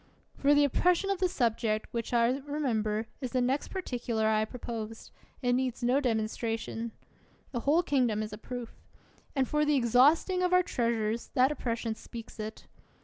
For the oppression of the subject, which, as I remember, is the next particular I proposed, it needs no demonstration. The whole kingdom is a proof. And for the exhausting of our treasures, that oppression speaks it.